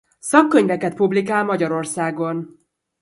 Szakkönyveket publikál Magyarországon.